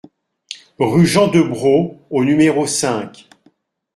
Rue Jean Debrot au numéro cinq